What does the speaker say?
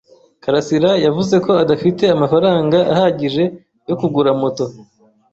Karasirayavuze ko adafite amafaranga ahagije yo kugura moto.